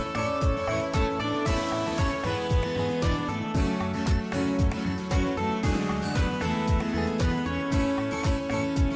สวัสดีครับ